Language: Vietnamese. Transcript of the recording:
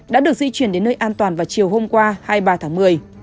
đã được di chuyển đến nơi an toàn vào chiều hôm qua hai mươi ba tháng một mươi